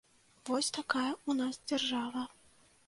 Вось такая ў нас дзяржава.